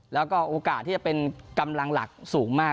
แล้วก็โอกาสที่จะเป็นกำลังหลักสูงมาก